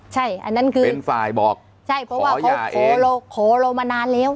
ใช่อันนั้นคือเป็นฝ่ายบอกใช่เพราะว่าเขาขอเราขอเรามานานแล้ว